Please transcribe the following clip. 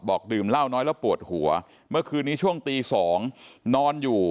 ดื่มเหล้าน้อยแล้วปวดหัวเมื่อคืนนี้ช่วงตี๒นอนอยู่